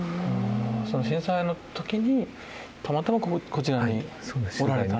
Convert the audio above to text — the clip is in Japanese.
震災の時にたまたまこちらにおられた？